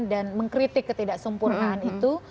dan mengkritik ketidaksempurnaan itu